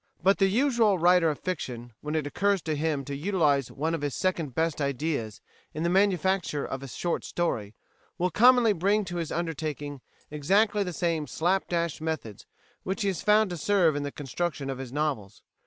But the usual writer of fiction, when it occurs to him to utilise one of his second best ideas in the manufacture of a short story, will commonly bring to his undertaking exactly the same slap dash methods which he has found to serve in the construction of his novels.